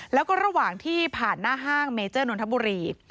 แล้วก็ระหว่างที่ผ่านหน้าห้างเมเจอร์นนทบุรี